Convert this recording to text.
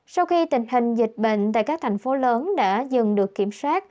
sau khi tình hình dịch bệnh tại các thành phố lớn đã dần được kiểm soát